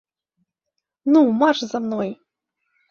Ну, марш за мной!